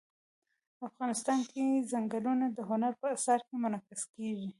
افغانستان کې چنګلونه د هنر په اثار کې منعکس کېږي.